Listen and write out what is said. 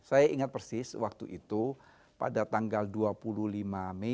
saya ingat persis waktu itu pada tanggal dua puluh lima mei